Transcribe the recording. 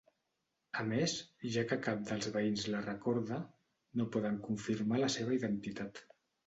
A més, ja que cap dels veïns la recorda, no poden confirmar la seva identitat.